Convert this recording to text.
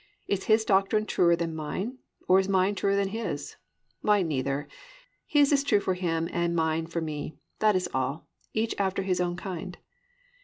Is his doctrine truer than mine, or is mine truer than his? Why, neither; his is true for him and mine for me—that is all—each after his own kind."